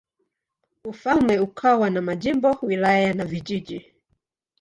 Ufalme ukawa na majimbo, wilaya na vijiji.